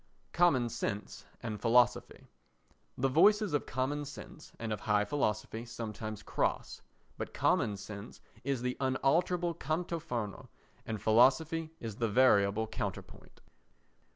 Common Sense and Philosophy The voices of common sense and of high philosophy sometimes cross; but common sense is the unalterable canto fermo and philosophy is the variable counterpoint.